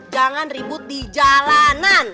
jangan ribut di jalanan